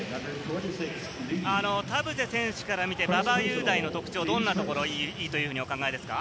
田臥選手から見て、馬場雄大の特徴はどんなところがいいとお考えですか？